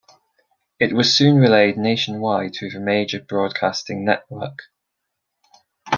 It was soon relayed nationwide through the Major Broadcasting Network.